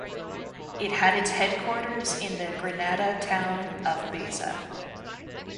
It had its headquarters in the Granada town of Baza.